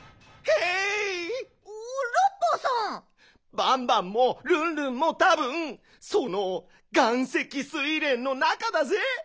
バンバンもルンルンもたぶんそのがんせきスイレンのなかだぜ。